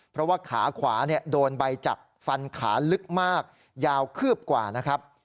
เพราะว่าขาขวาโดนใบจักรฟันขาลึกมากยาวคืบกว่านะครับ